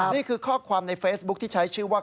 นี่คือข้อความในเฟซบุ๊คที่ใช้ชื่อว่า